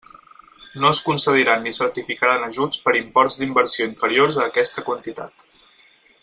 No es concediran ni certificaran ajuts per imports d'inversió inferiors a aquesta quantitat.